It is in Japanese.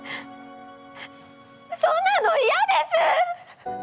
そんなのいやです！